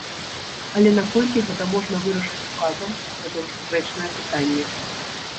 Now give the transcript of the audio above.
Але наколькі гэта можна вырашыць указам, гэта ўжо спрэчнае пытанне.